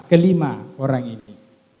kelima orang ini